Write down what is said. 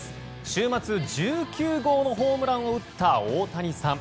週末、１９号ホームランを打った大谷さん。